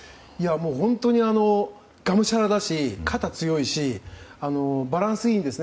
本当にがむしゃらだし肩が強いしバランスがいいんですね。